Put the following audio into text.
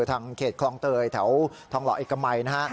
ทางเขตคลองเตยแถวทองหล่อเอกมัยนะฮะ